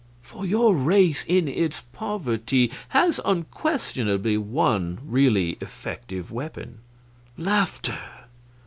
For your race, in its poverty, has unquestionably one really effective weapon laughter.